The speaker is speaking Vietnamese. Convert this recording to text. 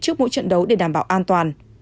trước mỗi trận đấu để đảm bảo an toàn